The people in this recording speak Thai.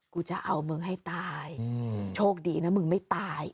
กูจะเอามึงให้ตายโชคดีนะมึงไม่ตาย